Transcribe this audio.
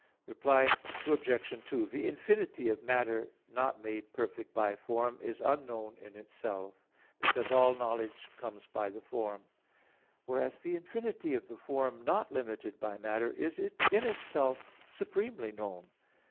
Reply Obj. 2: The infinity of matter not made perfect by form, is unknown in itself, because all knowledge comes by the form; whereas the infinity of the form not limited by matter, is in itself supremely known.